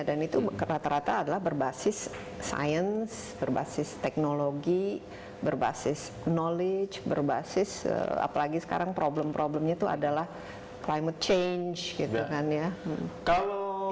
dan itu rata rata adalah berbasis sains berbasis teknologi berbasis knowledge berbasis apalagi sekarang problem problemnya itu adalah climate change gitu kan ya